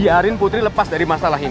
biarin putri lepas dari masalah ini